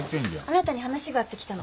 あなたに話があって来たの。